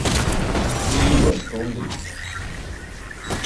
Mīļo stundiņ.